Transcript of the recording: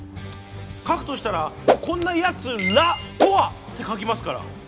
書くとしたら「こんな奴らとは」って書きますから。